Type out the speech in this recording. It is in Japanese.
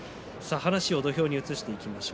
話を土俵に移していきます。